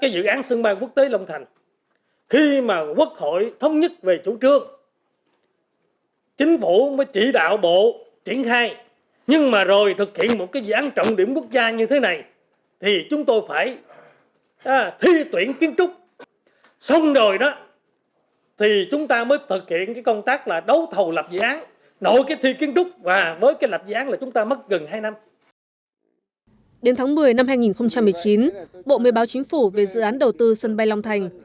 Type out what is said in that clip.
đến tháng một mươi năm hai nghìn một mươi chín bộ mới báo chính phủ về dự án đầu tư sân bay long thành